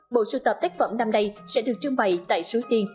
bộ sưu tập tác phẩm năm nay sẽ được trưng bày tại suối tiên